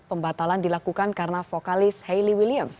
pembatalan dilakukan karena vokalis haille williams